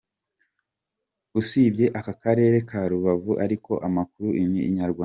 Usibye aka karere ka Rubavu ariko amakuru Inyarwanda.